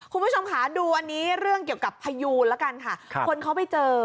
คุณผู้ชมค่ะดูอันนี้เรื่องเกี่ยวกับพยูนแล้วกันค่ะคนเขาไปเจอ